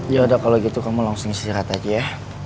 yaudah kalo gitu kamu langsung istirahat aja ya